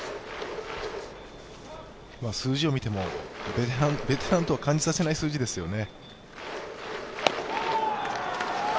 数字を見ても、ベテランとは感じさせない数字ですよね。